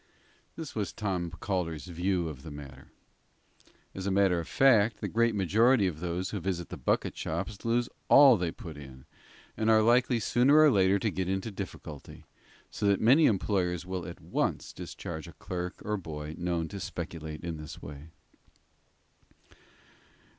This was Tom Calder's view of the matter. As a matter of fact, the great majority of those who visit the bucket shops lose all they put in, and are likely sooner or later to get into difficulty; so that many employers will at once discharge a clerk or boy known to speculate in this way.